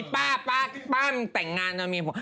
ป้ามันแต่งงานมันมีผัว